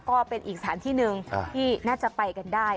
ก็เป็นอีกสถานที่หนึ่งที่น่าจะไปกันได้